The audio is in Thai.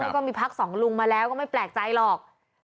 แล้วก็มีพักสองลุงมาแล้วก็ไม่แปลกใจหรอก